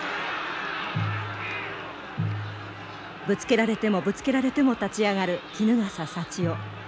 ぶつけられてもぶつけられても立ち上がる衣笠祥雄。